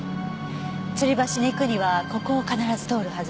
つり橋に行くにはここを必ず通るはず。